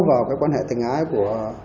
vào cái quan hệ tình ái của